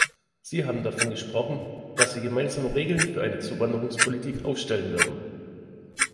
Sie haben davon gesprochen, dass Sie gemeinsame Regeln für eine Zuwanderungspolitik aufstellen werden.